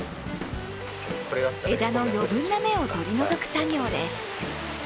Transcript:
枝の余分な芽を取り除く作業です。